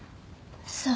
そう。